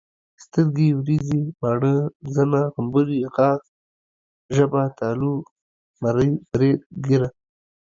سترګي ، وريزي، باڼه، زنه، غمبوري، غاښ، ژبه ،تالو، مرۍ، بريت، ګيره